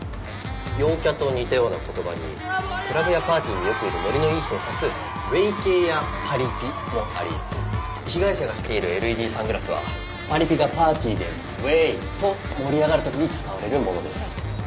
陽キャと似たような言葉にクラブやパーティーによくいるノリのいい人を指す「ウェイ系」や「パリピ」もあり被害者がしているＬＥＤサングラスはパリピがパーティーで「ウェーイ」と盛り上がる時に使われるものです。